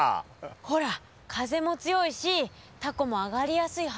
ほら風も強いしたこもあがりやすいはず。